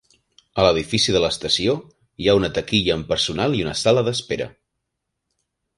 A l'edifici de la estació hi ha una taquilla amb personal i una sala d'espera.